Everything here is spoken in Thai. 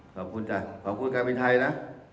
ขอบคุณจ้ะขอบคุณกับวิทยาลัยนะ